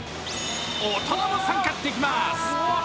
大人も参加できまーす。